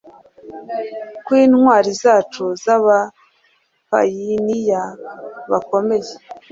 kw'intwari zacu z'abapayiniya bakomeye,